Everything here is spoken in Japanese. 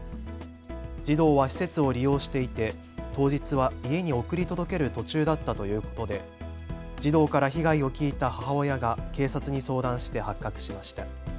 児童は施設を利用していて当日は家に送り届ける途中だったということで児童から被害を聞いた母親が警察に相談して発覚しました。